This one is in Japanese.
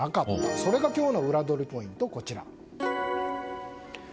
それが今日のウラどりポイントです。